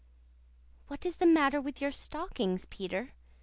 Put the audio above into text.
"What is the matter with your stockings, Peter?"